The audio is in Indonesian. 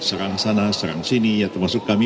serang sana serang sini ya termasuk kami